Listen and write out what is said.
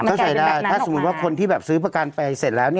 เข้าใจได้ถ้าสมมุติว่าคนที่ซื้อประกันไปเสร็จแล้ว